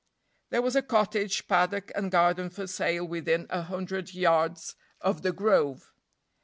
There was a cottage, paddock and garden for sale within a hundred yards of "The Grove."